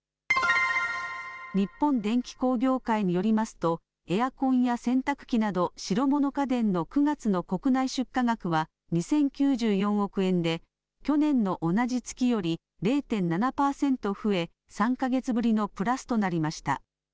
日本電機工業会によりますと、エアコンや洗濯機など白物家電の９月の国内出荷額は２０９４億円で、去年の同じ月より０．７％増え、３か月ぶりのプラスとなりました。